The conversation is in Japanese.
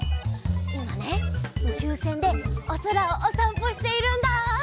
いまねうちゅうせんでおそらをおさんぽしているんだ。